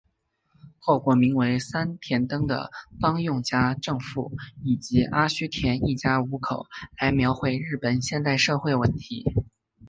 透过名为三田灯的帮佣家政妇以及阿须田一家五口来描绘日本现代社会问题。